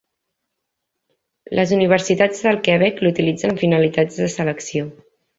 Les universitats del Quebec l'utilitzen amb finalitats de selecció.